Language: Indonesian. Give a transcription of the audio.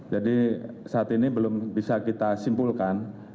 jadi saat ini belum bisa kita simpulkan